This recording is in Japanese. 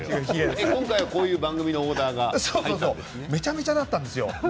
今回こういう番組のオーダーがめちゃめちゃだったんですよ。